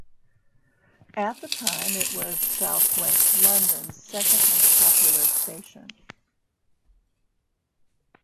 At the time it was south west London's second most popular station.